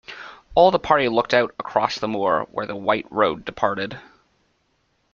All the party looked out across the moor where the white road departed.